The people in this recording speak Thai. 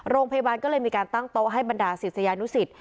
โรงพยาบาลก็เลยมีการตั้งโต๊ะให้บรรดาศิษยานุสิต